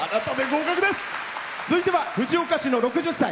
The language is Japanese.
続いては藤岡市の６０歳。